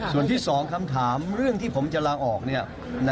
ส่วนที่สองคำถามเรื่องที่ผมจะลาออกเนี่ย